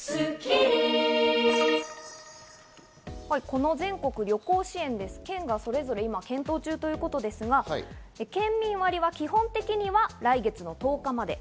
この全国旅行支援、県がそれぞれ今、検討中ということですが、県民割は基本的には来月の１０日まで。